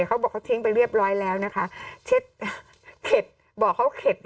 เขาบอกเขาทิ้งไปเรียบร้อยแล้วนะคะเช็ดบอกเขาเข็ด